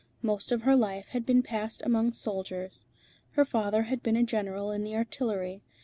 Most of her life had been passed among soldiers. Her father had been a general in the Artillery.